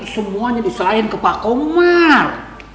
semuanya diserahin ke pak komar